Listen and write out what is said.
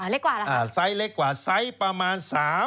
เล็กกว่าเหรอไซส์เล็กกว่าไซส์ประมาณ๓๐